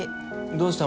どうした？